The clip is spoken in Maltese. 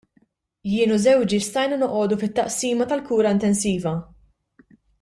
Jien u żewġi stajna noqogħdu fit-Taqsima tal-Kura Intensiva.